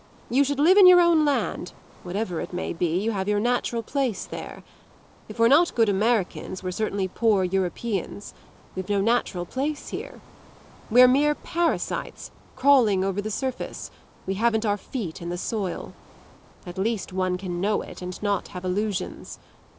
You should live in your own land; whatever it may be you have your natural place there. If we're not good Americans we're certainly poor Europeans; we've no natural place here. We're mere parasites, crawling over the surface; we haven't our feet in the soil. At least one can know it and not have illusions.